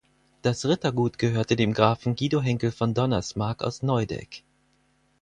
Das Rittergut gehörte dem Grafen Guido Henckel von Donnersmarck aus Neudeck.